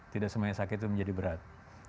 tidak semua yang sakit itu menjadi berat